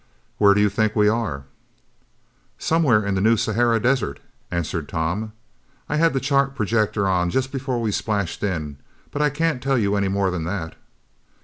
"Where do you think we are?" "Somewhere in the New Sahara desert," answered Tom. "I had the chart projector on just before we splashed in, but I can't tell you any more than that."